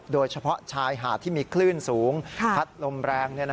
โดยเฉพาะชายหาดที่มีคลื่นสูงพัดลมแรง